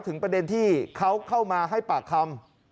ถึงปัญญาณที่เขาเข้ามาให้ปากคำ